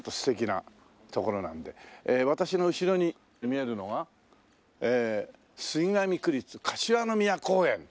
私の後ろに見えるのが杉並区立柏の宮公園。